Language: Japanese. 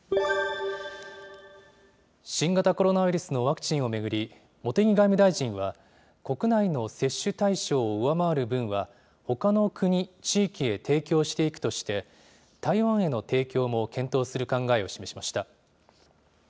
新型コロナウイルスのワクチンを巡り、茂木外務大臣は、国内の接種対象を上回る分は、ほかの国、地域へ提供していくとして、台湾への提供も検討する考えを示しました。